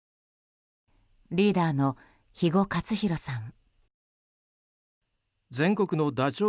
リーダーの肥後克広さん。